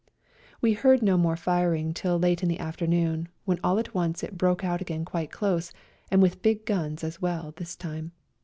We heard no more firing till late in the afternoon, when all at once it broke out again quite close, and with big guns as well this time.